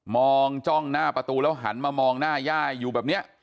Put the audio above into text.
จ้องหน้าประตูแล้วหันมามองหน้าย่ายอยู่แบบนี้